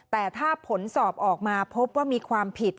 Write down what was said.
แต่ถ้าผลสอบออกมาพบว่ามีความผิด